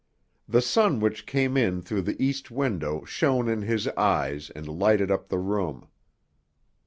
The sun which came in through the east window shone in his eyes and lighted up the room.